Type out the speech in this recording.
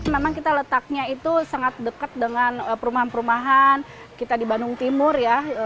memang kita letaknya itu sangat dekat dengan perumahan perumahan kita di bandung timur ya